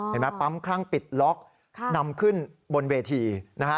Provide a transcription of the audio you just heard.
ปั๊มคลั่งปิดล็อกนำขึ้นบนเวทีนะฮะ